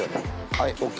「はいＯＫ」